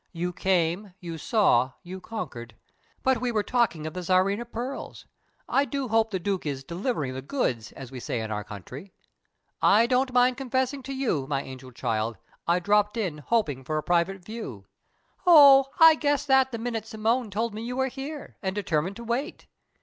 "You came, you saw, you conquered. But we were talking of the Tsarina pearls. I do hope the Duke is 'delivering the goods', as we say in our country. I don't mind confessing to you, my angel child, I dropped in hoping for a private view." "Oh, I guessed that the minute Simone told me you were here, and determined to wait!"